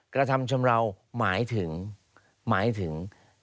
กระทำชำเลาหมายถึง